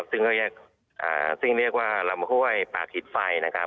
ซึ่งเรียกว่าลำห้วยปากหิดไฟ